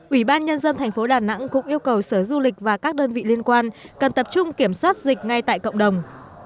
ủy ban nhân dân thành phố đà nẵng cũng yêu cầu sở du lịch và các đơn vị liên quan cần tập trung kiểm soát dịch ngay tại cộng đồng